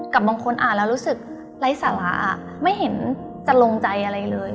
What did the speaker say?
บางคนอ่านแล้วรู้สึกไร้สาระไม่เห็นจะลงใจอะไรเลย